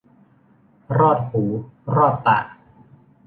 รอดหูรอดตา